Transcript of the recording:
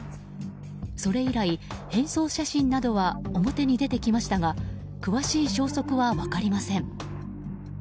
それ以来、変装写真などは表に出てきましたが詳しい消息は分かりません。